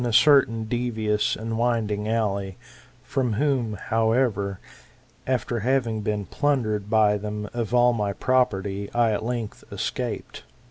a certain devious and winding valley : from whom, however, after having been plundered by them of all my property, I at length escaped.